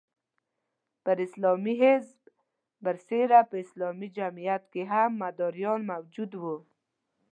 پر اسلامي حزب برسېره په اسلامي جمعیت کې هم مداریان موجود وو.